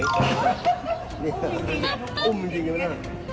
อุ้มมันจริงจริงมั้ยน่ะ